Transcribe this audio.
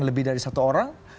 lebih dari satu orang